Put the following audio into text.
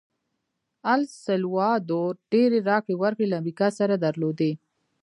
السلوادور ډېرې راکړې ورکړې له امریکا سره درلودې.